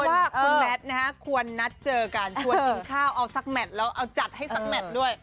ว่าคุณแมทนะฮะควรนัดเจอกันชวนกินข้าวเอาสักแมทแล้วเอาจัดให้สักแมทด้วย